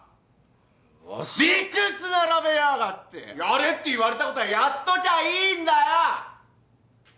わし理屈並べやがってやれって言われたことはやっときゃいいんだよ！